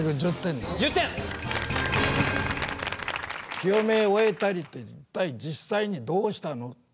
「清め終えたり」って実際にどうしたの？